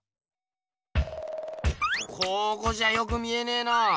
ここじゃよく見えねえな。